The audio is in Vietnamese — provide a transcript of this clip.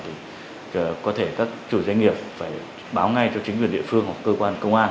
thì có thể các chủ doanh nghiệp phải báo ngay cho chính quyền địa phương hoặc cơ quan công an